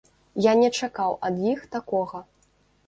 Я не чакаў ад іх такога.